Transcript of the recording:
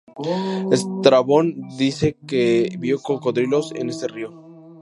Estrabón dice que vio cocodrilos en este río.